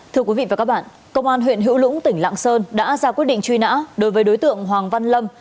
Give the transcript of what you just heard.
thưa quý vị và các bạn công an huyện hữu lũng tỉnh lạng sơn đã ra quyết định truy nã đối với đối tượng hoàng văn lâm